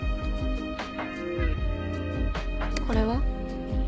これは？